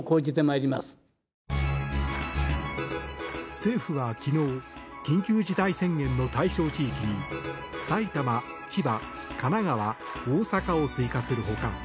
政府は昨日緊急事態宣言の対象地域に埼玉、千葉、神奈川、大阪を追加する他